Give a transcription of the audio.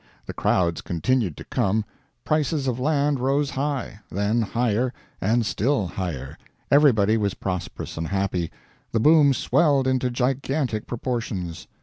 The crowds continued to come, prices of land rose high, then higher and still higher, everybody was prosperous and happy, the boom swelled into gigantic proportions.